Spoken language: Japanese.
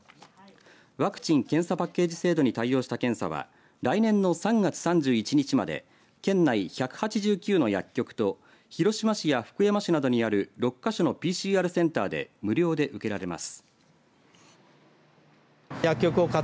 ワクチン・検査パッケージ制度に対応した検査は来年の３月３１日まで県内１８９の薬局と広島市や福山市などにある６か所のＰＣＲセンターで無料で受けられます。